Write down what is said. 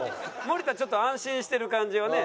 森田ちょっと安心してる感じをね。